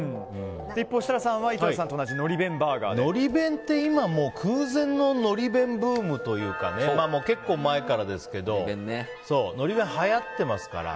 一方、設楽さんは井戸田さんと同じのり弁って今、空前ののり弁ブームというか結構前からですけどのり弁、はやってますから。